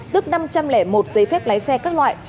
tước năm trăm linh một giấy phép lái xe các loại